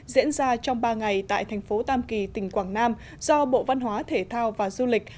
diễn ra trong ba ngày tại thành phố tam kỳ tỉnh quảng nam do bộ văn hóa thể thao và du lịch